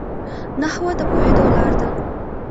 نحوه د پوهېدو لار ده.